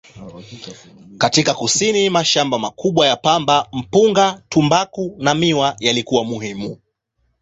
Katika kusini, mashamba makubwa ya pamba, mpunga, tumbaku na miwa yalikuwa muhimu.